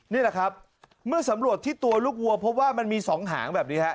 นี่แหละครับเมื่อสำรวจที่ตัวลูกวัวพบว่ามันมี๒หางแบบนี้ฮะ